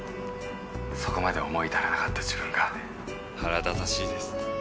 そこまで思い至らなかった自分が腹立たしいです。